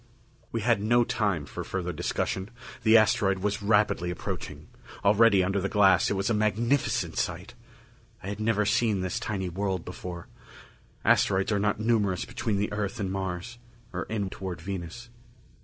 We had no time for further discussion. The asteroid was rapidly approaching. Already, under the glass, it was a magnificent sight. I had never seen this tiny world before asteroids are not numerous between the Earth and Mars, or in toward Venus.